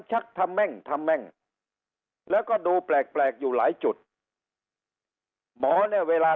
ชักทำแม่งทำแม่งแล้วก็ดูแปลกอยู่หลายจุดหมอเนี่ยเวลา